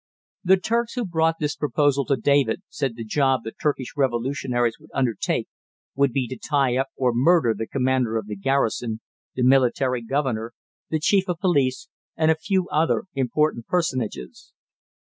The Turks who brought this proposal to David said the job the Turkish revolutionaries would undertake would be to tie up or murder the commander of the garrison, the military governor, the chief of police, and a few other important personages.